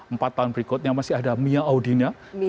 empat tahun berikutnya masih ada mia audina